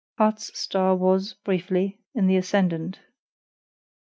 Harte's star was, briefly, in the ascendant.